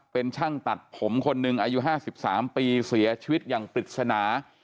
เป็นช่างตัดผมคนหนึ่งอายุ๕๓ปีเสียชีวิตอย่างปริศนา